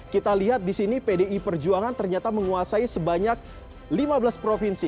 kita lihat di sini pdi perjuangan ternyata menguasai sebanyak lima belas provinsi